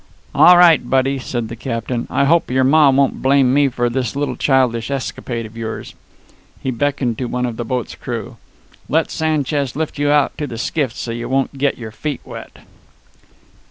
"All right, buddy," said the captain. "I hope your ma won't blame me for this little childish escapade of yours." He beckoned to one of the boat's crew. "Let Sanchez lift you out to the skiff so you won't get your feet wet."